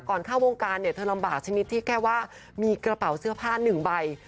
ก่อนเข้าวงการเธอลำบากที่นิดที่แค่ว่ามีกระเป๋าเสื้อผ้า๑ใบ